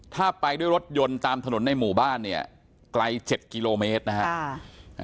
ถ้าไปด้วยรถยนต์ตามถนนในหมู่บ้านเนี่ยไกล๗กิโลเมตรนะครับ